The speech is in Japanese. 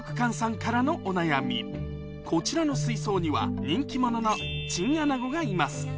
こちらの水槽には人気者のチンアナゴがいます